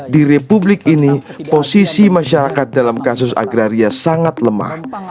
di republik ini posisi masyarakat dalam kasus agraria sangat lemah